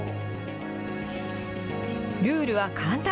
ルールは簡単。